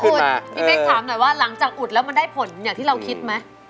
คุณพี่เป๊กถามหน่อยว่าหลังจากอุดแล้วมันได้ผลอย่างที่เราคิดไหม